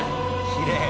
「きれい」